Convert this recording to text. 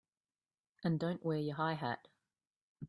And don't wear your high hat!